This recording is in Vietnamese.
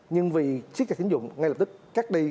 nhóm thứ hai là chức trách tín dụng ngay lập tức cắt đi